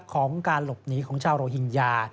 ของการหลบหนีของชาวโรฮิงญา